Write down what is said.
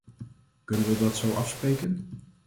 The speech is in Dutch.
Kunnen we dat zo afspreken?